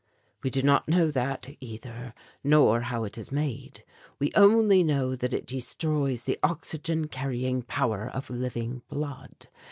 "We do not know that either, nor how it is made. We only know that it destroys the oxygen carrying power of living blood.